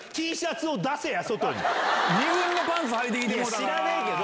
知らねえけど。